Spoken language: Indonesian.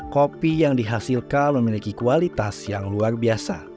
kopi yang dihasilkan memiliki kualitas yang luar biasa